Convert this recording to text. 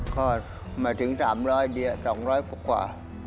ก็มาถึง๓๐๐เดีย๒๐๐กว่า